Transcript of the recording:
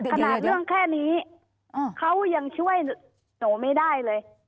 ขนาดเรื่องแค่นี้เขายังช่วยหนูไม่ได้เลย